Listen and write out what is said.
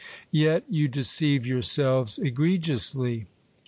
Yet you deceive yourselves egregiously.